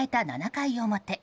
７回表。